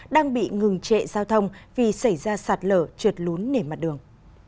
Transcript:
đang bị ngừng trệ giao thông vì xảy ra sạt lở trượt lún nề mặt đường